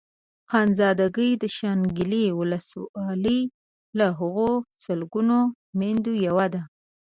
خانزادګۍ د شانګلې ولسوالۍ له هغو سلګونو ميندو يوه ده.